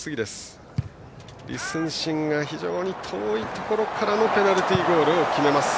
李承信が非常に遠いところからペナルティーゴールを決めます。